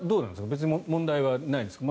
別に問題はないんですか。